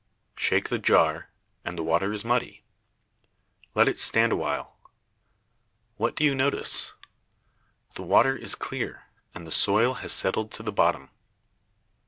Shake the jar, and the water is muddy. Let it stand awhile. What do you notice? The water is clear, and the soil has settled to the bottom.